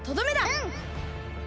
うん！